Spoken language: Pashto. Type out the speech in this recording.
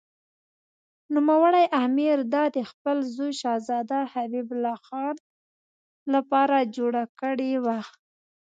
نوموړي امیر دا د خپل زوی شهزاده حبیب الله خان لپاره جوړه کړې وه.